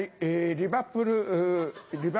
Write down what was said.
リバプール。